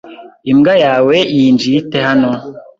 Imbwa yawe yinjiye ite hano?